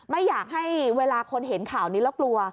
ไม่อยากให้เวลาคนเห็นข่าวนี้แล้วกลัว